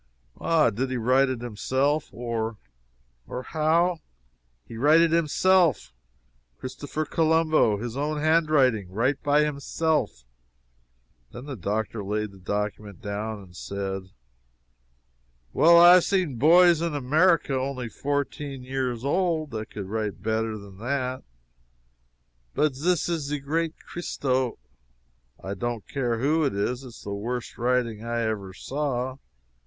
"Ah did he write it himself; or or how?" "He write it himself! Christopher Colombo! He's own hand writing, write by himself!" Then the doctor laid the document down and said: "Why, I have seen boys in America only fourteen years old that could write better than that." "But zis is ze great Christo " "I don't care who it is! It's the worst writing I ever saw.